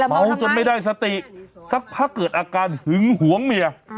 เมาจนไม่ได้สติสักพักเกิดอาการหึงหวงเมีย